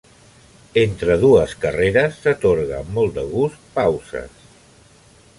Entre dues carreres, s'atorga amb molt de gust pauses.